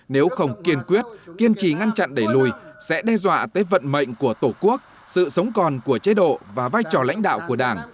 nếu không kiên quyết kiên trì ngăn chặn đẩy lùi sẽ đe dọa tới vận mệnh của tổ quốc sự sống còn của chế độ và vai trò lãnh đạo của đảng